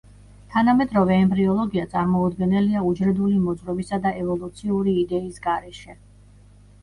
თანამედროვე ემბრიოლოგია წარმოუდგენელია უჯრედული მოძღვრებისა და ევოლუციური იდეის გარეშე.